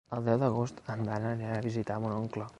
El deu d'agost en Dan anirà a visitar mon oncle.